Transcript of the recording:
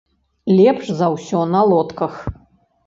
Лепш за ўсё на лодках.